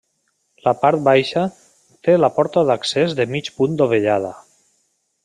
La part baixa té la porta d'accés de mig punt dovellada.